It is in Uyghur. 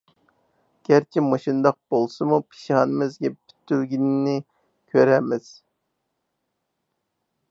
گەرچە مۇشۇنداق بولسىمۇ، پېشانىمىزگە پۈتۈلگىنىنى كۆرەرمىز.